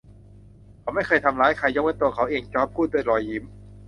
เขาไม่เคยทำร้ายใคร ยกเว้นตัวเขาเอง จอร์จพูดด้วยรอยยิ้ม